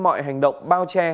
mọi hành động bao che